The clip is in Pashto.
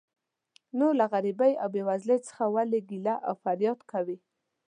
نو له غریبۍ او بې وزلۍ څخه ولې ګیله او فریاد کوې.